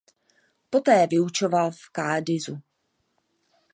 Poté vyučoval v Cádizu.